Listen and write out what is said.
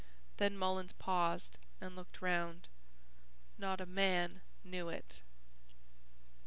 then Mullins paused and looked round. Not a man knew it.